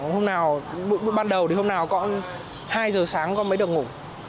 hôm nào bắt đầu thì hôm nào cũng hai giờ sáng con mới được ngủ